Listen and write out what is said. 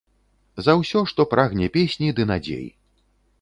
За ўсё, што прагне песні ды надзей.